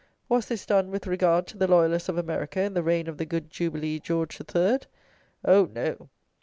Was this done with regard to the loyalists of America in the reign of the good jubilee George III.? Oh, no!